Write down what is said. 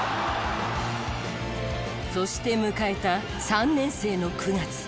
そして迎えた３年生の９月。